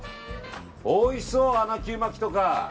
おいしそう、穴きゅう巻きとか。